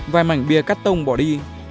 vài mảnh bia cắt tông bỏ đi